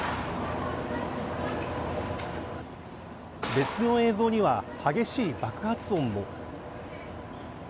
別の映像には激しい爆発音も。